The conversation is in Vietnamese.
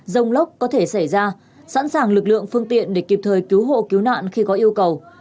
rông lốc có thể xảy ra sẵn sàng lực lượng phương tiện để kịp thời cứu hộ cứu nạn khi có yêu cầu